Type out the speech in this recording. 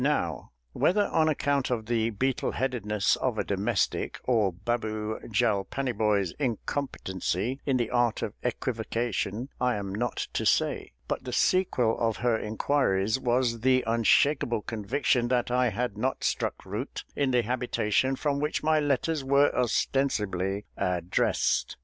Now, whether on account of the beetleheadedness of a domestic, or Baboo JALPANYBHOY'S incompetency in the art of equivocation, I am not to say but the sequel of her inquiries was the unshakable conviction that I had not struck root in the habitation from which my letters were ostensibly addressed.